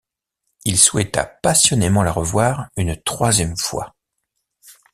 Il souhaita passionnément la revoir une troisième fois.